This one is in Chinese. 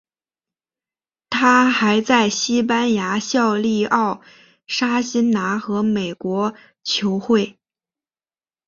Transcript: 他还在西班牙效力奥沙辛拿和美国球会。